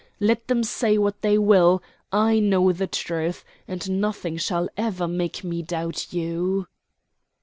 Let them say what they will, I know the truth, and nothing shall ever make me doubt you."